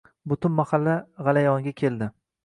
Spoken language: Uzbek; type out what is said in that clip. Butun mahalla g`alayonga keldi